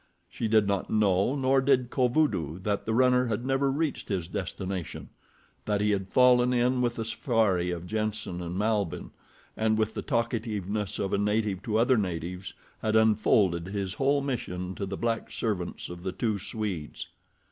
She did not know, nor did Kovudoo, that the runner had never reached his destination—that he had fallen in with the safari of Jenssen and Malbihn and with the talkativeness of a native to other natives had unfolded his whole mission to the black servants of the two Swedes.